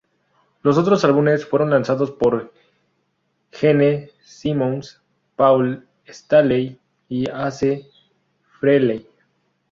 Los otros álbumes fueron lanzados por Gene Simmons, Paul Stanley y Ace Frehley.